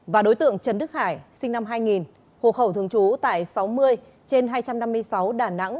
và đối tượng trần đức hải sinh năm hai nghìn hộ khẩu thường trú tại sáu mươi trên hai trăm năm mươi sáu đà nẵng